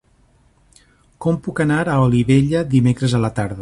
Com puc anar a Olivella dimecres a la tarda?